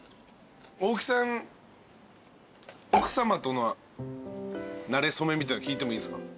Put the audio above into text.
大木さん奥さまとのなれ初めみたいなの聞いてもいいですか？